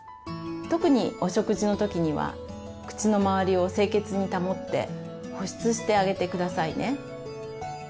特にお食事の時には口の周りを清潔に保って保湿してあげてくださいね。